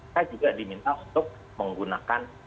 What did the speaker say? saya juga diminta untuk menggunakan